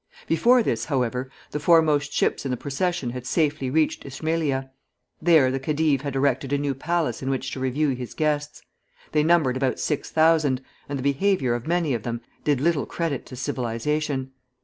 Before this, however, the foremost ships in the procession had safely reached Ismaïlia. There the khedive had erected a new palace in which to review his guests. They numbered about six thousand, and the behavior of many of them did little credit to civilization.